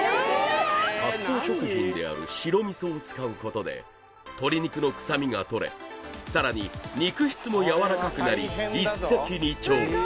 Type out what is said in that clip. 発酵食品である白味噌を使うことで鶏肉の臭みがとれさらに肉質もやわらかくなり一石二鳥